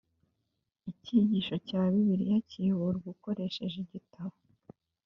icyigisho cya Bibiliya kiyoborwa ukoresheje igitabo.